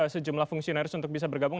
sejumlah fungsionaris untuk bisa bergabung